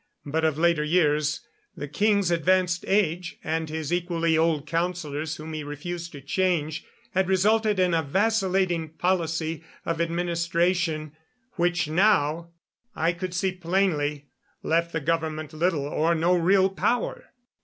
But of later years the king's advanced age, and his equally old councilors whom he refused to change, had resulted in a vacillating policy of administration, which now, I could see plainly, left the government little or no real power.